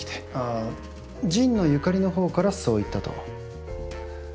あ神野由香里の方からそう言ったと？